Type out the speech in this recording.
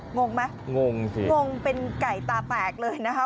งงไหมงงสิงงเป็นไก่ตาแตกเลยนะคะ